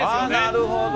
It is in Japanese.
なるほど。